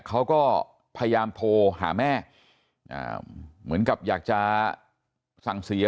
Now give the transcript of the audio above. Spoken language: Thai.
เขาก็พยายามโทรหาแม่เหมือนกับอยากจะสั่งเสีย